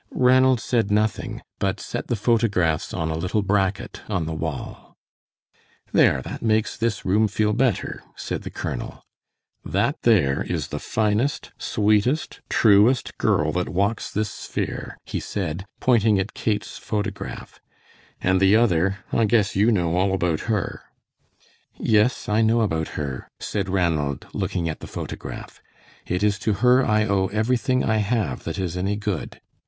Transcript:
Ranald said nothing, but set the photographs on a little bracket on the wall. "There, that makes this room feel better," said the colonel. "That there is the finest, sweetest, truest girl that walks this sphere," he said, pointing at Kate's photograph, "and the other, I guess you know all about her." "Yes, I know about her," said Ranald, looking at the photograph; "it is to her I owe everything I have that is any good.